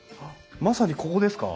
まさにここですか？